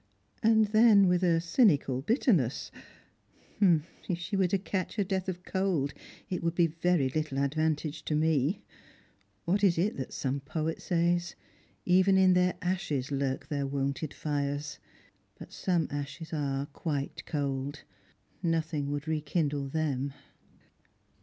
And then, with a cynical bitterness, "If she were to catch her death of cold it would be very little advantage to me. What is that some poet says? — 'Even in their ashes lurk their wonted fires.' But some ashes are quite cold. Nothing would rekindle them."